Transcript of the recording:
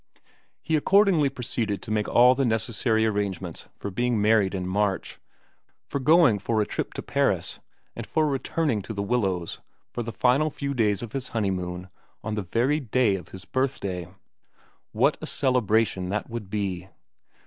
He accordingly proceeded to make all the necessary arrangements for being married in March, for going for a trip to Paris, and for returning to The Willows for xn VERA 133 the final few days of his honeymoon on the very day of his birthday. What a celebration that would be